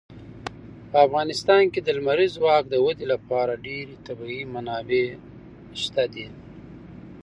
په افغانستان کې د لمریز ځواک د ودې لپاره ډېرې طبیعي منابع شته دي.